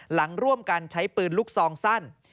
หลังร่วมกันใช้ปืนลูกซองสั้น